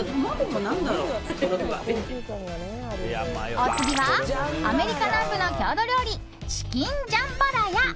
お次はアメリカ南部の郷土料理チキンジャンバラヤ。